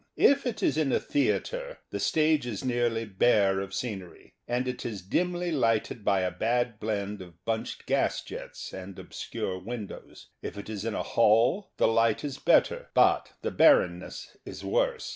If it is in a theatre, the stage is nearly bare of scenery, and is dimly lighted by a bad blend of bunched gas jets and obscure windows. If it is in a hall, the light is better, but the barrenness is worse.